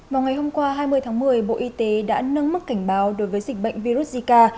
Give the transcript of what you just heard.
vào ngày hôm qua hai mươi tháng một mươi bộ y tế đã nâng mức cảnh báo đối với dịch bệnh virus zika